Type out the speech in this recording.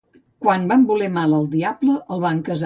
Quan van voler mal al diable el van casar.